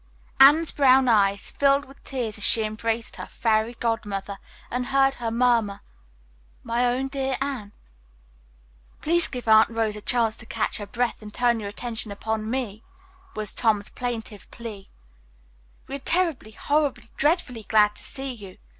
Anne's brown eyes filled with tears as she embraced her "fairy godmother" and heard her murmur, "My own dear Anne." "Please give Aunt Rose a chance to catch her breath and turn your attention upon me," was Tom's plaintive plea. "We are terribly, horribly, dreadfully glad to see you!"